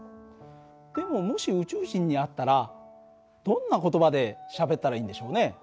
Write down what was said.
でももし宇宙人に会ったらどんな言葉でしゃべったらいいんでしょうね。